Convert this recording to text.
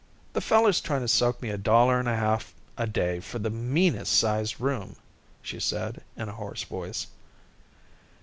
"The feller's tryin' to soak me a dollar and a half a day for the meanest sized room," she said in a hoarse voice.